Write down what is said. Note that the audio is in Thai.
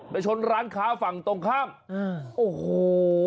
ไปชนร้านค้าฝั่งตรงข้ามโอ้โห